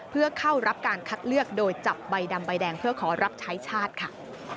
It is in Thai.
เพื่อเข้ารับการคัดเลือกโดยจับใบดำใบแดงเพื่อขอรับใช้ชาติค่ะ